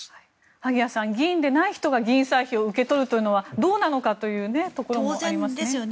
萩谷さん、議員でない人が議員歳費を受け取るというのはどうなのかというところもありますね。